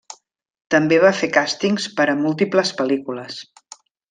També va fer càstings per a múltiples pel·lícules.